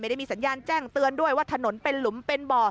ได้มีสัญญาณแจ้งเตือนด้วยว่าถนนเป็นหลุมเป็นบ่อ